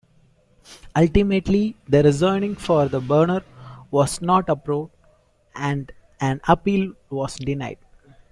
Ultimately the rezoning for the burner was not approved and an appeal was denied.